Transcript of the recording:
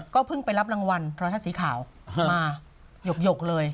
ก็เพิ่งไปรับรางวัลทรทัศน์สีขาวมาหยกเลย